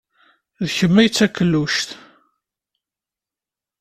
D kemm ay d takluct.